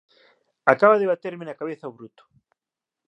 Acaba de baterme na cabeza o bruto.